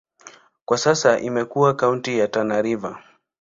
Kwa sasa imekuwa kaunti ya Tana River.